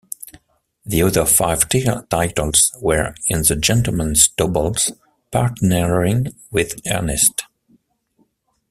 The other five titles were in the Gentlemen's doubles, partnering with Ernest.